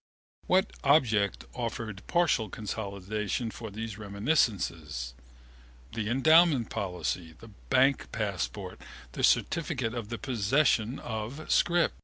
What object offered partial consolation for these reminiscences? The endowment policy, the bank passbook, the certificate of the possession of scrip.